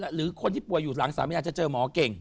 หรือคนที่ป่วยอยู่หลังสามีอาจจะเจอหมอเก่ง